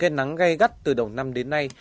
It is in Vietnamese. rơi cây nắng gây gắt từ đầu năm đến nay